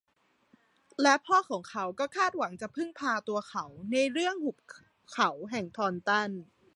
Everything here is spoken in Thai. และพ่อของเขาก็คาดหวังจะพึ่งพาตัวเขาในเรื่องหุบเขาแห่งทอนตัน